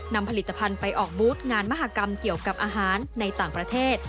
นำผลิตภัณฑ์ไปออกบูธงานมหากรรมเกี่ยวกับอาหารในต่างประเทศ